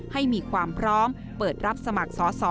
ให้มีความพร้อมเปิดรับสมัครสอสอ